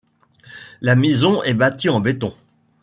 La maison est bâtie en béton.